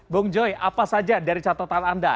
bung joy apa saja dari catatan anda